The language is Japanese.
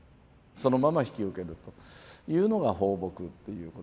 そのまま引き受けるというのが抱樸っていう。